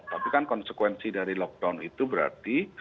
tapi kan konsekuensi dari lockdown itu berarti